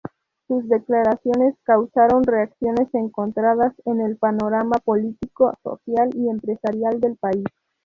Sus declaraciones causaron reacciones encontradas en el panorama político, social y empresarial del país.